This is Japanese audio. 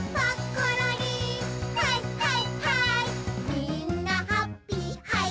「みんなハッピーハイ！